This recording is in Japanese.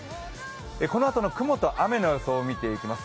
このあとの雲と雨の予想、見ていきます。